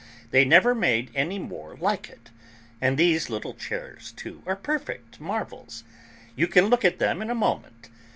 They never made any more like it. And these little chairs, too, are perfect marvels. You can look at them in a moment.